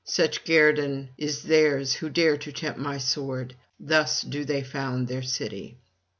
Such guerdon is theirs who dare to tempt my sword; thus do they found their city.'